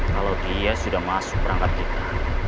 kalau dia sudah masuk perangkat kita